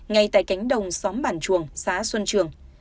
ngay tại cánh đồng xóm bản chuồng xã xuân trường